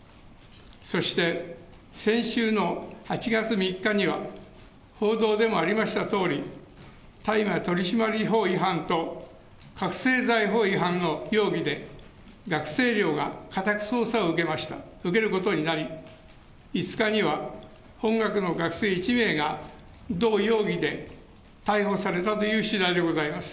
そして先週の８月３日には、報道でもありましたとおり、大麻取締法違反と覚醒剤法違反の容疑で、学生寮が家宅捜索を受けることになり、５日には本学の学生１名が同容疑で逮捕されたというしだいでございます。